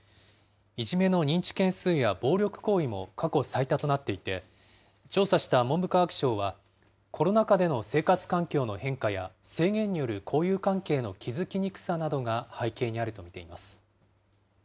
いじめの認知件数や暴力行為も過去最多となっていて、調査した文部科学省は、コロナ禍での生活環境の変化や、制限による交友関係の築きにくさなどが背景にあると見ています。